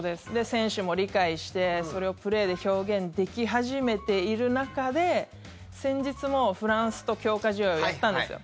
選手も理解してそれをプレーで表現でき始めている中で先日もフランスと強化試合をやったんですよ。